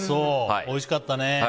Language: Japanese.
おいしかったね。